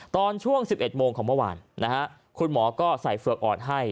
ตอนช่วง๑๑โมงของเมื่อวานนะฮะคุณหมอก็ใส่เฝือกอ่อนให้